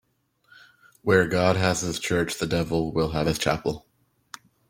Where God has his church, the devil will have his chapel.